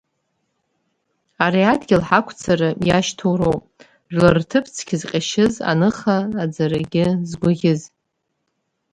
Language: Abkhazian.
Ари адгьыл ҳақуцара иашьҭоу роуп, жәлар рҭыԥ цқьа зҟьашьыз, аныха аӡарагьы згуӷьыз!